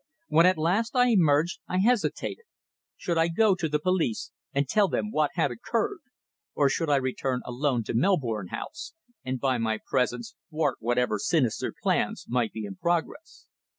When at last I emerged, I hesitated. Should I go to the police and tell them what had occurred? Or should I return alone to Melbourne House, and by my presence thwart whatever sinister plans might be in progress.